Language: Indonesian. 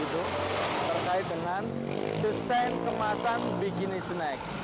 terkait dengan desain kemasan bikini snack